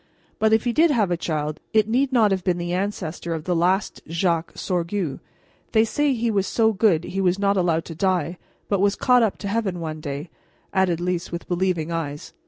But if he did have a child, it need not have been the ancestor of the last Jacques Sorgue. They say he was so good he was not allowed to die, but was caught up to heaven one day," added Lys, with believing eyes.